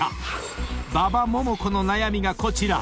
［馬場ももこの悩みがこちら］